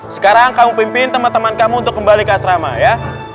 sekarang kamu pimpin teman teman kamu untuk kembali ke asrama ya